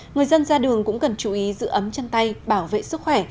người dân ra đường cũng cần chú ý giữ ấm chân tay bảo vệ sức khỏe